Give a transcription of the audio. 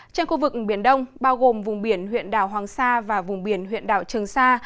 trên khu vực biển đông bao gồm vùng biển huyện đảo hoàng sa và vùng biển huyện đảo trường sa